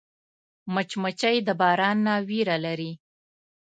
مچمچۍ د باران نه ویره لري